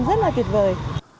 rất là tuyệt vời